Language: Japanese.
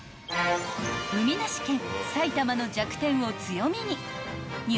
［海なし県埼玉の弱点を強みに日本各地